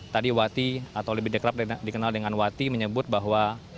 tadi wati atau lebih dekrab dikenal dengan wati menyebut bahwa